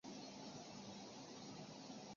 刘邦出征皆与樊哙一同。